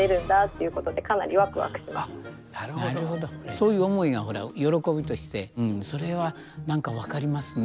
そういう思いが喜びとしてそれはなんか分かりますね。